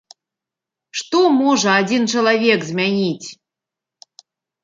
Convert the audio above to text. Што можа адзін чалавек змяніць?